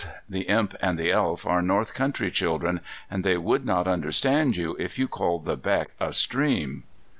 The Imp and the Elf are north country children, and they would not understand you if you called the beck a stream.